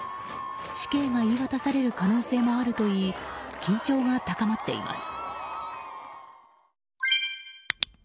死刑が言い渡される可能性もあるといい緊張が高まっています。